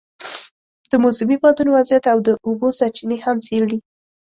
د موسمي بادونو وضعیت او د اوبو سرچینې هم څېړي.